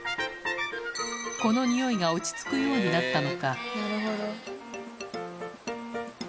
この匂いが落ち着くようになったのか？